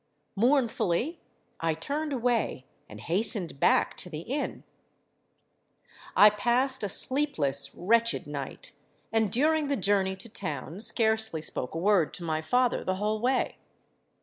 Mournfully I turned away, and hastened back to the inn. I passed a sleepless—wretched night; and during the journey to town, scarcely spoke a word to my father the whole way.